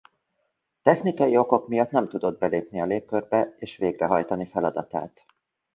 Technikai okok miatt nem tudott belépni a légkörbe és végrehajtani feladatát.